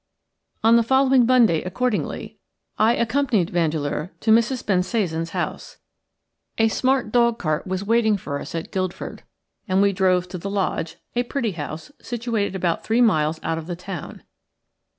On the following Monday accordingly I accompanied Vandeleur to Mrs. Bensasan's house. A smart dog cart was waiting for us at Guildford, and we drove to the Lodge, a pretty house, situated about three miles out of the town.